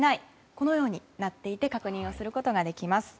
このようになっていて確認をすることができます。